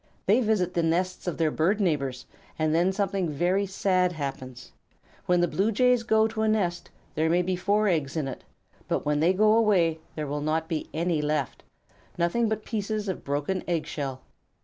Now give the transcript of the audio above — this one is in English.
They visit the nests of their bird neighbors, and then something very sad happens. When the Blue Jays go to a nest there may be four eggs in it; but when they go away there will not be any left, nothing but pieces of broken egg shell.